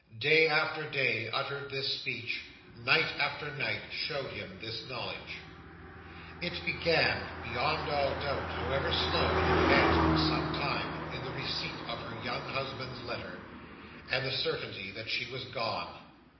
Day after day uttered this speech; night after night showed him this knowledge. It began, beyond all doubt (however slow it advanced for some time), in the receipt of her young husband's letter, and the certainty that she was gone.